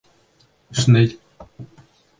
Шнель!